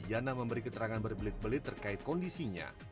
yana memberi keterangan berbelit belit terkait kondisinya